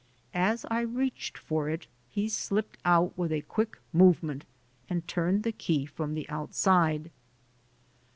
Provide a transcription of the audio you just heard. As I reached for it, he slipped out with a quick movement and turned the key from the outside.